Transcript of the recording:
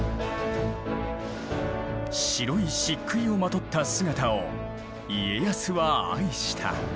白い漆喰をまとった姿を家康は愛した。